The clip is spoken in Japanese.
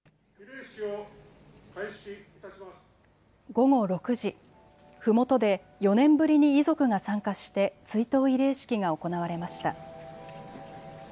午後６時、ふもとで４年ぶりに遺族が参加して追悼慰霊式が行われました。